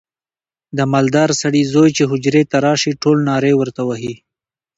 د مالداره سړي زوی چې حجرې ته راشي ټول نارې ورته وهي.